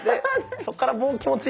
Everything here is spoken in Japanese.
そっからもう気持ち。